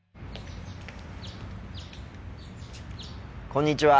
こんにちは。